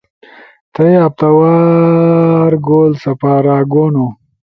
تھئی ہفتہ وار گول سپارا گونو